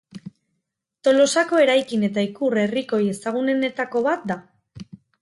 Tolosako eraikin eta ikur herrikoi ezagunenetako bat da.